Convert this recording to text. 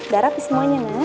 darap semuanya ya